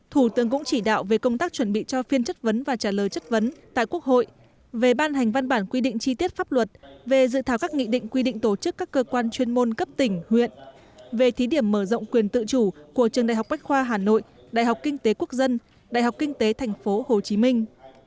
thủ tướng cũng chỉ đạo về công tác chuẩn bị cho phiên chất vấn và trả lời chất vấn tại quốc hội về ban hành văn bản quy định chi tiết pháp luật về dự thảo các nghị định quy định tổ chức các cơ quan chuyên môn cấp tỉnh huyện về thí điểm mở rộng quyền tự chủ của trường đại học bách khoa hà nội đại học kinh tế quốc dân đại học kinh tế thành phố hồ chí minh